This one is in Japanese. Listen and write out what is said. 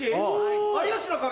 『有吉の壁』？